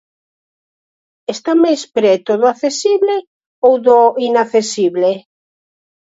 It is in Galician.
Está máis preto do accesible ou do inaccesible?